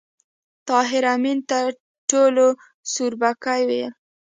طاهر آمین ته ټولو سوربګی ویل